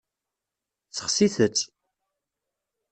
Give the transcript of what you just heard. Sexsit-tt.